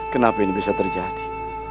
kenapa ini bisa terjadi